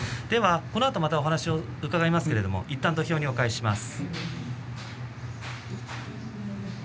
このあとも、またお話を伺いますがいったん土俵にお返しします。